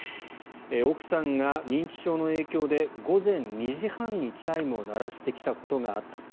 奥さんが認知症の影響で午前２時半にチャイムを鳴らしてきたことがあった。